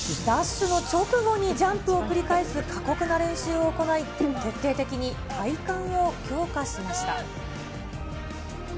ダッシュの直後にジャンプを繰り返す過酷な練習を行い、徹底的に体幹を強化しました。